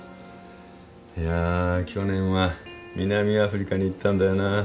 いや去年は南アフリカに行ったんだよな。